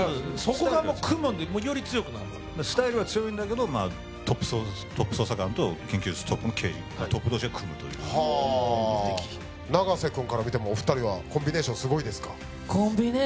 そこが組むんでより強くなるわけですスタイルが強いんだけどトップ捜査官と検挙率トップの刑事トップ同士が組むという無敵永瀬君から見てもお二人はコンビネーションすごいですね